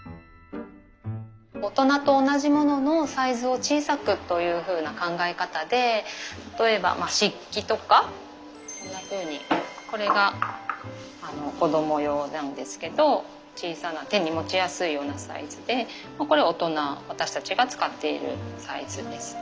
大人と同じもののサイズを小さくというふうな考え方で例えば漆器とかこんなふうにこれが子ども用なんですけど小さな手に持ちやすいようなサイズでこれは大人私たちが使っているサイズです。